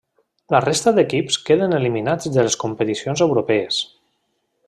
La resta d'equips queden eliminats de les competicions europees.